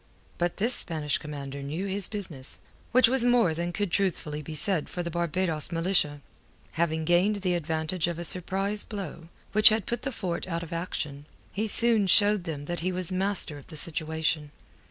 But this Spanish commander knew his business, which was more than could truthfully be said for the Barbados Militia. Having gained the advantage of a surprise blow, which had put the fort out of action, he soon showed them that he was master of the situation.